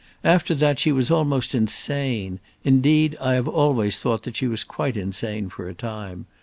After that, she was almost insane; indeed, I have always thought she was quite insane for a time.